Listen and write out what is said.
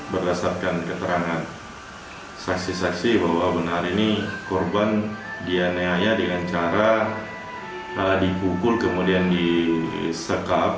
berdasarkan keterangan saksi saksi bahwa benar ini korban dianiaya dengan cara dipukul kemudian disekap